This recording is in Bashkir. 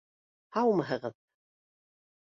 — Һаумыһығыҙ!